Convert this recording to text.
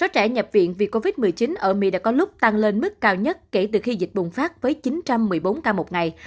trẻ nhập viện vì covid một mươi chín ở mỹ đã có lúc tăng lên mức cao nhất kể từ khi dịch bùng phát với chín trăm một mươi bốn ca một ngày